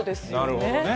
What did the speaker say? なるほどね。